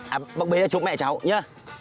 à bác bê cho chụp mẹ cháu nhé